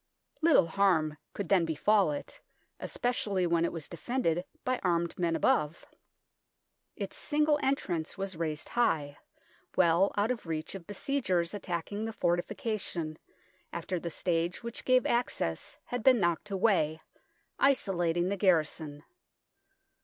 Little harm could then befall it, especially when it was defended by armed men above. Its single entrance was raised high, well out of reach of besiegers attacking the fortifica tion after the stage which gave access had been knocked away, isolating the garrison.